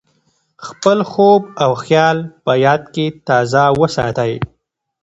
خپل خوب او خیال په یاد کې تازه وساتئ.